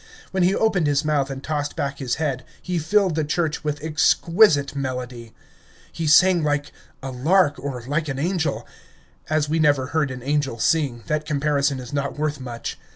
When he opened his mouth and tossed back his head, he filled the church with exquisite melody. He sang like a lark, or like an angel. As we never heard an angel sing, that comparison is not worth much.